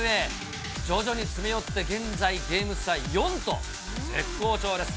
徐々に詰め寄って、現在ゲーム差４と、絶好調です。